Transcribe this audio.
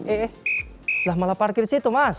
eh lah malah parkir situ mas